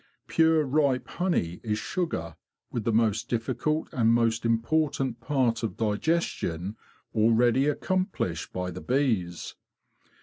Pure ripe honey is sugar with the most difficult and most important part of digestion already accom plished by the bees.